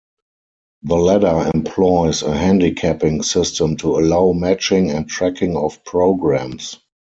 The ladder employs a handicapping system to allow matching and tracking of programs.